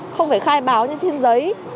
không phải khai báo nhưng trên giấy